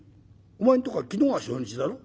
お前んとこは昨日が初日だろ。